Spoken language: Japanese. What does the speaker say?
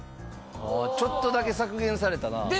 ああちょっとだけ削減されたな。